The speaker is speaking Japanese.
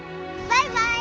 バイバイ。